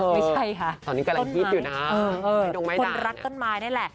ไม่ใช่ค่ะตอนนี้กำลังฮิตอยู่นะคนรักต้นไม้นี่แหละ